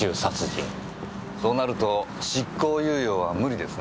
そうなると執行猶予は無理ですね。